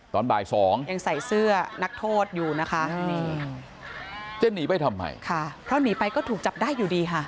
ตอนบ่ายสองยังใส่เสื้อนักโทษอยู่นะคะนี่จะหนีไปทำไมค่ะเพราะหนีไปก็ถูกจับได้อยู่ดีค่ะ